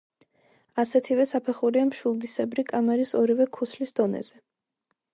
ასეთივე საფეხურია მშვილდისებრი კამარის ორივე ქუსლის დონეზე.